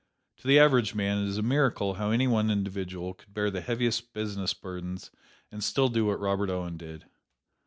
To the average man it is a miracle how any one individual could bear the heaviest business burdens and still do what Robert Owen did.